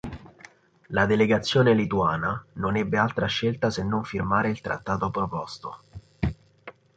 La delegazione lituana non ebbe altra scelta se non firmare il trattato proposto.